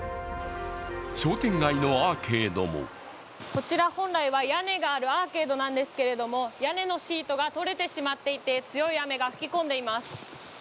商店街のアーケードもこちら本来は屋根があるアーケードなんですけれども、屋根のシートが取れてしまっていて強い雨が吹き込んでいます。